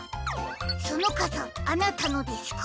そのかさあなたのですか？